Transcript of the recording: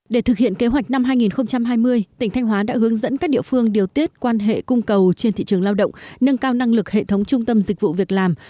để thực hiện kế hoạch năm hai nghìn hai mươi tỉnh thanh hóa đã hướng dẫn các địa phương điều tiết quan hệ cung cầu trên thị trường lao động nâng cao năng lực hệ thống trung tâm dịch vụ việc làm